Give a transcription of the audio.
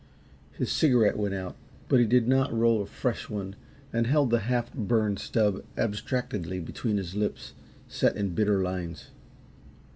His cigarette went out, but he did not roll a fresh one and held the half burned stub abstractedly between his lips, set in bitter lines.